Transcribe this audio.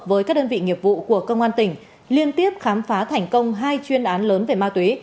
với các đơn vị nghiệp vụ của công an tỉnh liên tiếp khám phá thành công hai chuyên án lớn về ma túy